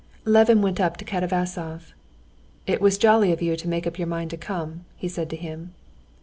Levin went up to Katavasov. "It was jolly of you to make up your mind to come," he said to him.